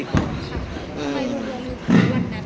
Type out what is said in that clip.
พี่อัดมาสองวันไม่มีใครรู้หรอก